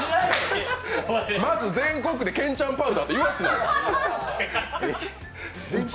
全国区で健ちゃんパウダーって言わすな。